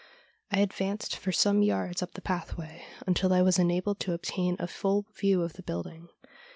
I advanced for some yards up the pathway until I was enabled to obtain a full view of the building.